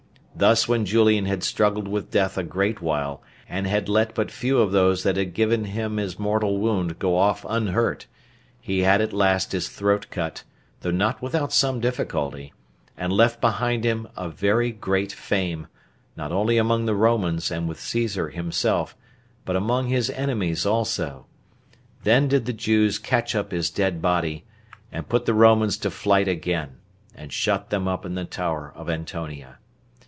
Thus when Julian had struggled with death a great while, and had let but few of those that had given him his mortal wound go off unhurt, he had at last his throat cut, though not without some difficulty, and left behind him a very great fame, not only among the Romans, and with Caesar himself, but among his enemies also; then did the Jews catch up his dead body, and put the Romans to flight again, and shut them up in the tower of Antonia.